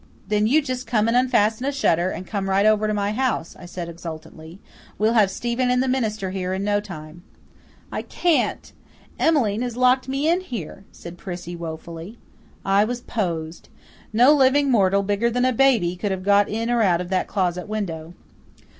"Then you just come and unfasten a shutter, and come right over to my house," I said exultantly. "We'll have Stephen and the minister here in no time." "I can't Em'line has locked me in here," said Prissy woefully. I was posed. No living mortal bigger than a baby could have got in or out of that closet window.